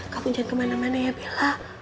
kak pun jangan kemana mana ya bella